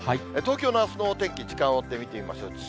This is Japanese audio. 東京のあすのお天気、時間を追って見てみましょう。